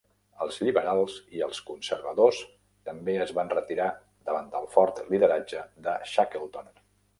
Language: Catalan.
Els lliberals i els conservadors també es van retirar davant el fort lideratge de Shackleton.